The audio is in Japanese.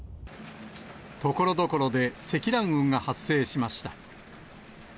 ところどころで積乱雲が発生しました。